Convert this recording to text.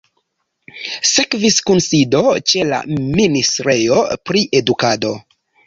Sekvis kunsido ĉe la ministrejo pri edukado.